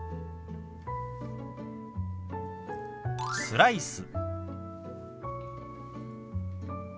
「スライス」。